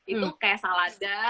itu kayak salada